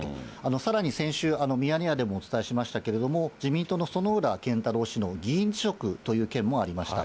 さらに先週、ミヤネ屋でもお伝えしましたけれども、自民党の薗浦健太郎氏の議員辞職という件もありました。